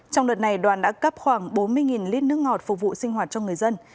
trong đợt này đoàn đã cấp khoảng bốn mươi lít nước ngọt phục vụ sinh hoạt cho người dân